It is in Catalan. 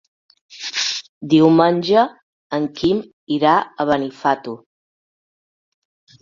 Diumenge en Quim irà a Benifato.